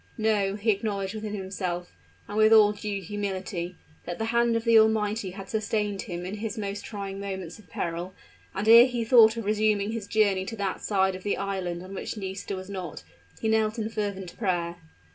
No; he acknowledged within himself, and with all due humility, that the hand of the Almighty had sustained him in his most trying moments of peril; and ere he thought of resuming his journey to that side of the island on which Nisida was not, he knelt in fervent prayer.